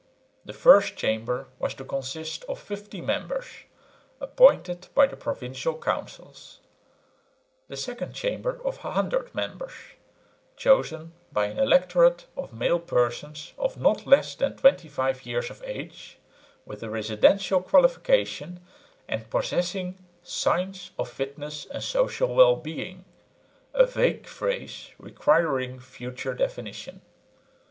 The First Chamber was to consist of 50 members, appointed by the Provincial Councils; the Second Chamber of 100 members, chosen by an electorate of male persons of not less than 25 years of age with a residential qualification and possessing "signs of fitness and social well being" a vague phrase requiring future definition.